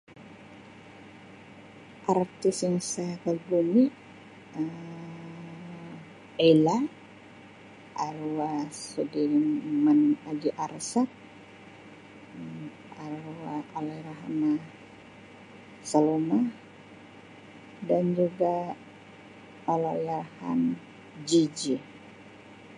Artis yang saya kagumi Um Ella, arwah Sudirma-man Haji Arsyad, Um arwah Allahyarhamah Saloma, dan juga Allahyarham Jay Jay.